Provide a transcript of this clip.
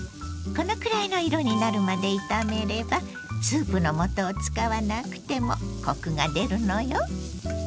このくらいの色になるまで炒めればスープのもとを使わなくてもコクが出るのよ。